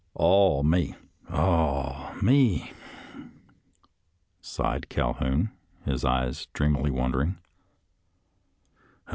" Ah, me — ah, me !" sighed Calhoun, his eyes dreamily wondering.